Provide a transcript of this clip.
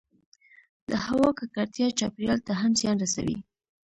د هـوا کـکړتـيا چاپـېريال ته هم زيان رسـوي